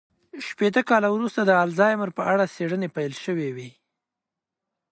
شپېته کاله وروسته د الزایمر په اړه څېړنې پيل شوې وې.